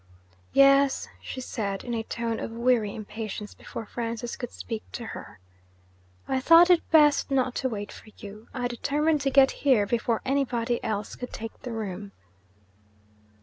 'Yes,' she said, in a tone of weary impatience, before Francis could speak to her. 'I thought it best not to wait for you I determined to get here before anybody else could take the room.'